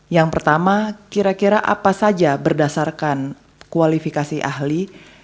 yang pertama kira kira apa saja berdasarkan kualifikasi ahli